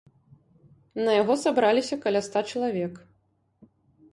На яго сабраліся каля ста чалавек.